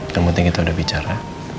yang penting kita udah bicara